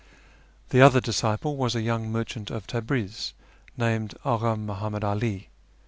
The other disciple was a young merchant of Tabriz, named Aka Muhammad 'Ali.